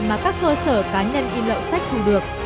mà các cơ sở cá nhân in lậu sách thu được